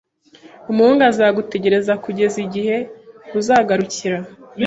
Umuhungu azagutegereza kugeza igihe uzagarukira